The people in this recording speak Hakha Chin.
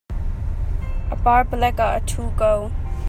A par pahlek ah a ṭhu ko.